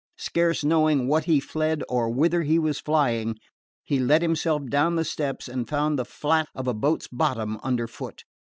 Scarce knowing what he fled or whither he was flying, he let himself down the steps and found the flat of a boat's bottom underfoot.